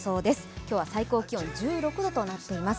今日は最高気温１６度となっています。